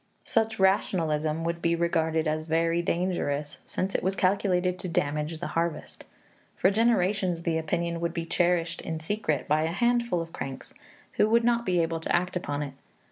Such rationalism would be regarded as very dangerous, since it was calculated to damage the harvest. For generations the opinion would be cherished in secret by a handful of cranks, who would not be able to act upon it.